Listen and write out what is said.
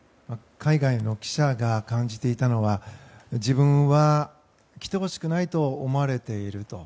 海外の記者が感じていたのは自分は来てほしくないと思われていると。